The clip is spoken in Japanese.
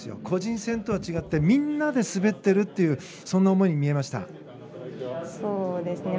個人戦とは違ってみんなで滑ってるっていうそんな思いに見えました。